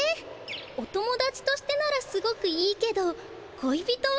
お友だちとしてならすごくいいけど恋人は。